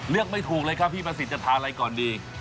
ไม่ถูกเลยครับพี่ประสิทธิ์จะทานอะไรก่อนดี